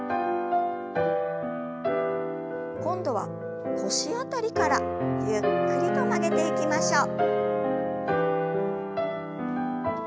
今度は腰辺りからゆっくりと曲げていきましょう。